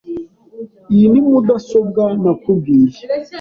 Iyi ni mudasobwa nakubwiye.